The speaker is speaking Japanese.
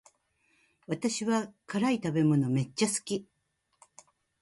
私は辛い食べ物めっちゃ好き